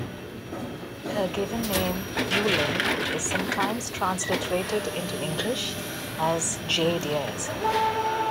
Her given name "Yuling" is sometimes transliterated into English as "Jade Years".